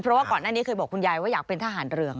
เพราะว่าก่อนหน้านี้เคยบอกคุณยายว่าอยากเป็นทหารเรือง